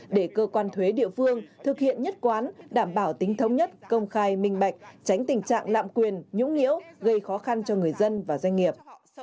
để cơ quan thuế địa phương thực hiện nhất quán đảm bảo tính thống nhất công khai minh bạch tránh tình trạng lạm quyền nhũng nhiễu gây khó khăn cho người dân và doanh nghiệp